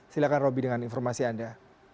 silahkan roby dengan informasi anda